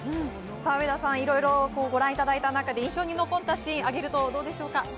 上田さん、いろいろご覧いただいた中で印象に残ったシーンを挙げるとどうでしょうか。